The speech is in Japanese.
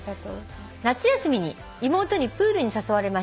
「夏休みに妹にプールに誘われました」